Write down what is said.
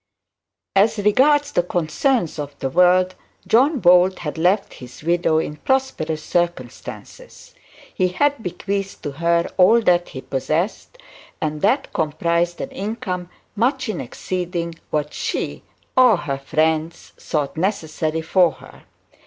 As regards the concerns of the world, John Bold had left his widow in prosperous circumstances. He had bequeathed to her all that he possessed, and that comprised an income much exceeding what she or her friends thought necessary for her.